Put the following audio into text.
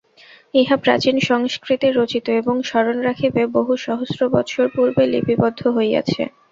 ইহা প্রাচীন সংস্কৃতে রচিত, এবং স্মরণ রাখিবে বহু সহস্র বৎসর পূর্বে লিপিবদ্ধ হইয়াছে।